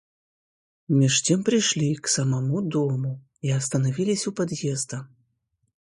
Меж тем пришли к самому дому и остановились у подъезда.